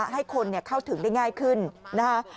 ให้คนเข้าถึงได้ง่ายขึ้นนะคะ